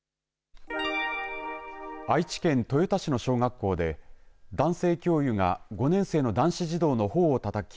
愛知県豊田市の小学校で男性教諭が５年生の男子児童のほおをたたき